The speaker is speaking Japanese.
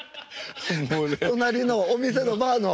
隣のお店のバーの。